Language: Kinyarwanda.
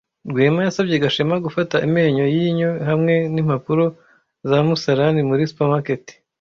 Rwema yasabye Gashema gufata amenyo yinyo hamwe nimpapuro zumusarani muri supermarket.